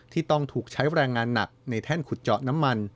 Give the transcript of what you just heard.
ที่ต้องถูกใช้แรงงานหนักในแท่นขุดเจาะน้ำมัน